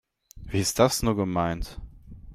Wie ist das nur gemeint?